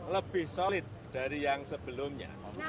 lebih solid dari yang sebelumnya